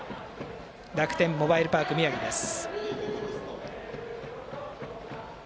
楽天モバイルパーク宮城です。